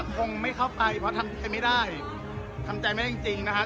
คงไม่เข้าไปเพราะทำใจไม่ได้ทำใจไม่ได้จริงนะครับ